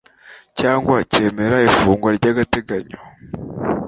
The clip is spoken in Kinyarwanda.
cyangwa cyemera ifungurwa ry agateganyo